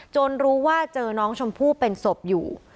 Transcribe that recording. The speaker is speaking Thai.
รู้ว่าเจอน้องชมพู่เป็นศพอยู่